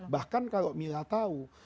bahkan kalau mila tahu